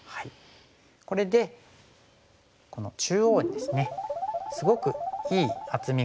これでこの中央にですねすごくいい厚みができまして。